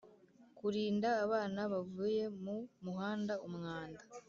Kurinda abana bavuye mu muhanda umwanda